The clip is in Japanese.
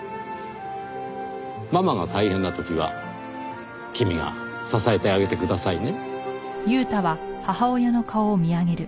ママが大変な時は君が支えてあげてくださいね。